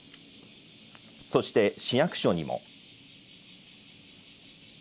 そして市役所にも。